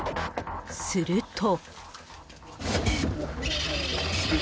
すると。